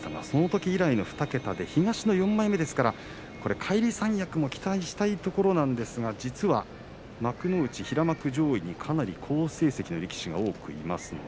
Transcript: そのとき以来の２桁、東の４枚目返り三役も期待したいところですが、実は幕内平幕上位にかなり好成績の力士が多くいます。